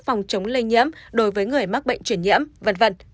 phòng chống lây nhiễm đối với người mắc bệnh chuyển nhiễm v v